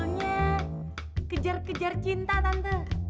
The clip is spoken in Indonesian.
soalnya kejar kejar cinta tante